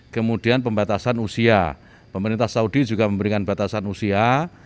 kemudian pembatasan usia pemerintah saudi juga memberikan batasan usia